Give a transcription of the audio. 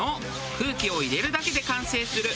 空気を入れるだけで完成する空気式